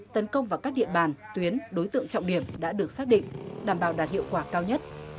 tấn công vào các địa bàn tuyến đối tượng trọng điểm đã được xác định đảm bảo đạt hiệu quả cao nhất